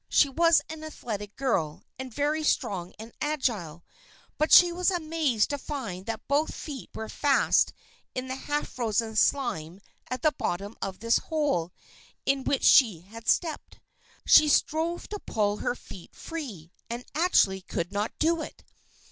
She was an athletic girl, and very strong and agile. But she was amazed to find that both feet were fast in the half frozen slime at the bottom of this hole into which she had stepped. She strove to pull her feet free, and actually could not do it!